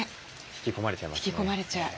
引き込まれちゃう。